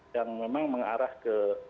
yang memang mengarah ke